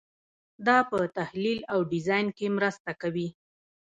دا په تحلیل او ډیزاین کې مرسته کوي.